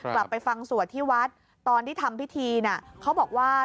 กลับไปฟังสวทิวัฒน์ที่วัตรตอนที่ทำพิธีเขาบอกว่า